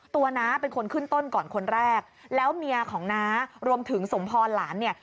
น้าเป็นคนขึ้นต้นก่อนคนแรกแล้วเมียของน้ารวมถึงสมพรหลานเนี่ย